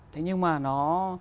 thế nhưng mà nó